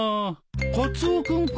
カツオ君か。